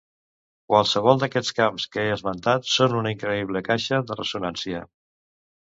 Qualsevol d'aquests camps que he esmentat són una increïble caixa de ressonància.